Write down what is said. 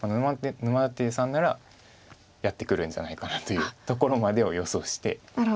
沼舘さんならやってくるんじゃないかなというところまでを予想して。